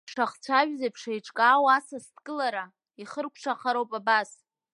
Ҳшахцәажәаз еиԥш еиҿкаау асасдкылара, ихрыкәшахароуп абас…